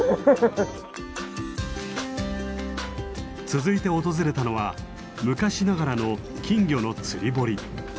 続いて訪れたのは昔ながらの金魚の釣堀。